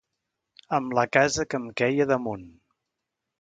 Amb la casa que em queia damunt.